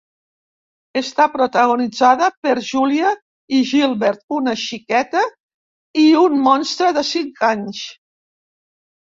Està protagonitzada per Júlia i Gilbert, una xiqueta i un monstre de cinc anys.